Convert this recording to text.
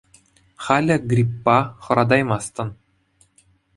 Халӗ гриппа хӑратаймастӑн.